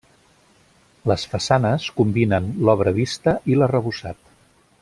Les façanes combinen l'obra vista i l'arrebossat.